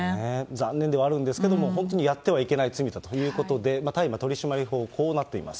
残念ではあるんですけども、本当にやってはいけない罪だということで、大麻取締法、こうなっています。